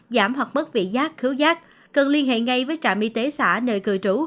giảm hoặc mất vị giác khứu giác cần liên hệ ngay với trạm y tế xã nơi cử trú